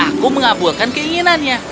aku mengabulkan keinginannya